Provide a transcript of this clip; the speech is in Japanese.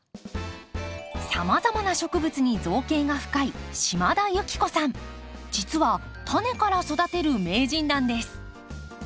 さまざまな植物に造詣が深い実はタネから育てる名人なんです。